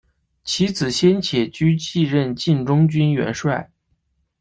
其子先且居继任晋中军元帅。